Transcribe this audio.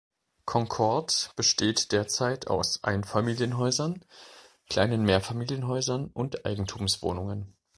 Concord besteht derzeit aus Einfamilienhäusern, kleinen Mehrfamilienhäusern und Eigentumswohnungen.